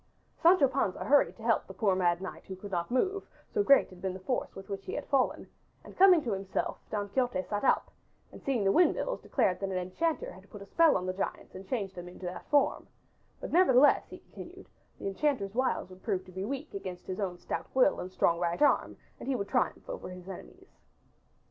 Sancho Panza hurried to help the poor mad knight who could not move, so great had been the force with which he had fallen, and coming to himself Don Quixote sat up and seeing the windmills declared that an enchanter had put a spell on the giants and changed them into that form, but nevertheless, he continued, the enchanter's wiles would prove to be weak against his own stout will and strong right arm and he would triumph over his enemies.